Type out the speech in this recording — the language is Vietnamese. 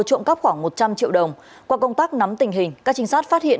trộm cắp khoảng một trăm linh triệu đồng qua công tác nắm tình hình các trinh sát phát hiện